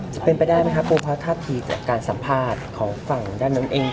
จะเป็นไปได้ไหมครับปูพระท่าทีจากการสัมภาษณ์ของฝั่งด้านนั้นเอง